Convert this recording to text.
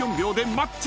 マッチ！